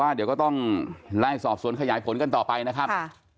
เดี๋ยวก็ต้องไล่สอบสวนขยายผลกันต่อไปนะครับ